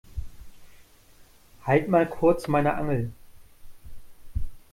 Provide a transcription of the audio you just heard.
Halt mal kurz meine Angel.